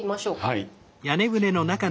はい。